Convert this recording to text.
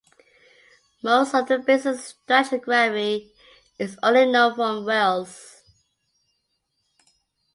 Most of the basin stratigraphy is only known from wells.